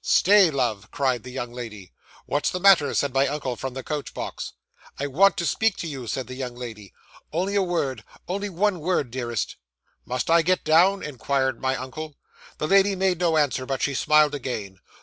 '"Stay, love," cried the young lady. '"What's the matter?" said my uncle, from the coach box. '"I want to speak to you," said the young lady; "only a word. Only one word, dearest." '"Must I get down?" inquired my uncle. The lady made no answer, but she smiled again.